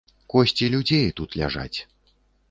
Косці людзей тут ляжаць.